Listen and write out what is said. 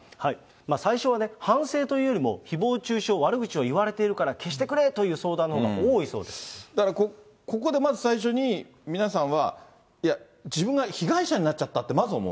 最初は反省というよりも、ひぼう中傷、悪口を言われているから消してくれという相談のほうが多いそうでだからここでまず最初に、皆さんは、いや、自分が被害者になっちゃったってまず思う。